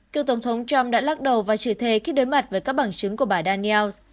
cựu tổng thống trump đã lắc đầu và trừ thề khi đối mặt với các bảng chứng của bài daniels